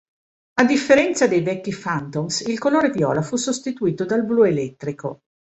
A differenza dei vecchi Phantoms il colore viola fu sostituito dal blu elettrico.